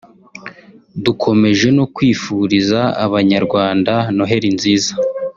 dukomeje no kwifuriza Abanyarwanda Noheli nziza”